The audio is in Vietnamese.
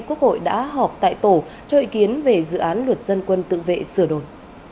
quốc hội đã họp tại tổ cho ý kiến về dự án luật dân quân tự vệ sửa đổi